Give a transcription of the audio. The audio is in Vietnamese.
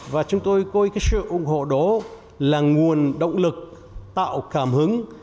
và chúng tôi coi cái sự ủng hộ đó là nguồn động lực tạo cảm hứng